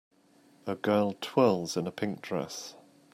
A girl twirls in a pink dress.